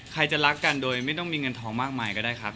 ใครจะรักกันโดยไม่ต้องมีเงินทองมากมายก็ได้ครับ